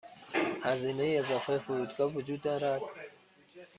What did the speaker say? هزینه اضافه فرودگاه وجود دارد.